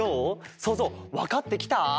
そうぞうわかってきた？